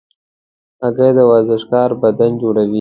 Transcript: هګۍ د ورزشکار بدن جوړوي.